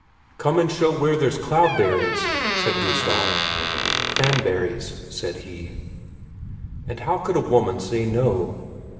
"Come and show where there's cloudberries," said Gustaf; "cranberries," said he. And how could a woman say no?